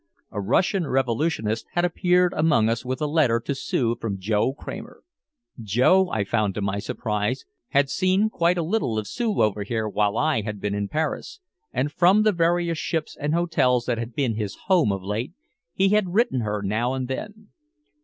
A Russian revolutionist had appeared among us with a letter to Sue from Joe Kramer. Joe, I found to my surprise, had seen quite a little of Sue over here while I had been in Paris and from the various ships and hotels that had been his "home" of late, he had written her now and then.